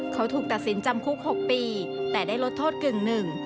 เขาถูกตัดสินจำคุก๖ปีแต่ได้ลดโทษกึ่งหนึ่ง